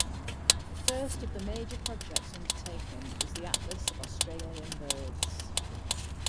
The first of the major projects undertaken was the Atlas of Australian Birds.